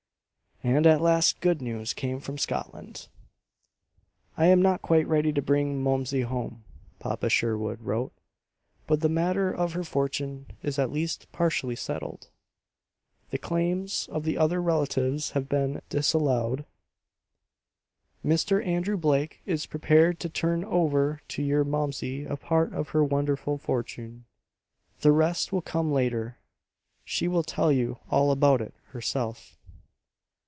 And at last good news came from Scotland: "I am not quite ready to bring Momsey home," Papa Sherwood wrote. "But the matter of her fortune is at least partially settled. The claims of the other relatives have been disallowed. Mr. Andrew Blake is prepared to turn over to your Momsey a part of her wonderful fortune. The rest will come later. She will tell you all about it herself.